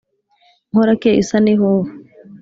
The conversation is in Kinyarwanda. Muhorakeye usa n’ihoho,